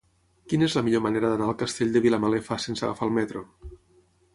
Quina és la millor manera d'anar al Castell de Vilamalefa sense agafar el metro?